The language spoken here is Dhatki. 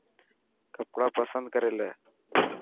ڪپڙا پسند ڪري لي.